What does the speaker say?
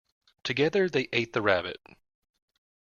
Together they ate the rabbit.